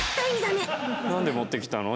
何で持ってきたの？